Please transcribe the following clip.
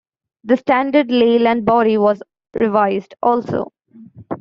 The standard Leyland body was revised also.